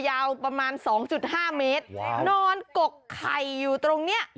ยาวประมาณ๒๕เมตรนอนกกไข่อยู่ตรงเนี้ย